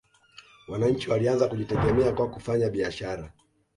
wananchi walianza kujitegemea kwa kufanya biashara